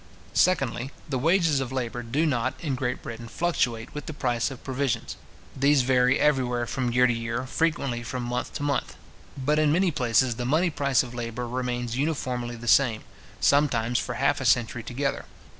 Secondly, the wages of labour do not, in Great Britain, fluctuate with the price of provisions. These vary everywhere from year to year, frequently from month to month. But in many places, the money price of labour remains uniformly the same, sometimes for half a century together.